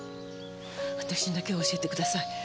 あたしにだけ教えてください！